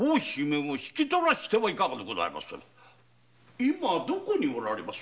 今どこにおられます？